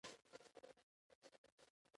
موږ په دې وسایلو سره طبیعي سرچینو ته لاسرسی مومو.